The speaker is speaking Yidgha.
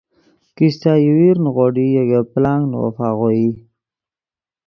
کیستہ یوویر نیغوڑئی اے گے پلانگ نے وف آغوئی